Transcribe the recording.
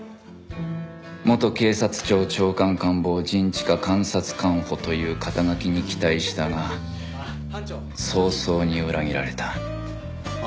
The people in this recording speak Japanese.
元警察庁長官官房人事課監察官補という肩書に期待したが早々に裏切られた